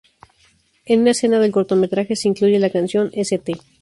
En una escena del cortometraje se incluye la canción "St.